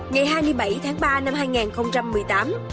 ngày hai mươi bảy tháng ba năm hai nghìn một mươi tám